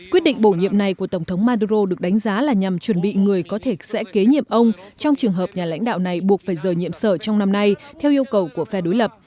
quyết định bổ nhiệm này của tổng thống maduro được đánh giá là nhằm chuẩn bị người có thể sẽ kế nhiệm ông trong trường hợp nhà lãnh đạo này buộc phải rời nhiệm sở trong năm nay theo yêu cầu của phe đối lập